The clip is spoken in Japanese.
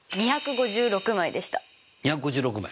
２５６枚。